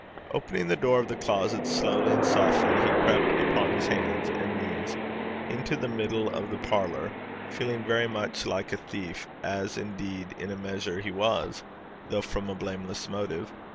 Opening the door of the closet slowly and softly, he crept upon his hands and knees into the middle of the parlour, feeling very much like a thief, as, indeed, in a measure he was, though from a blameless motive.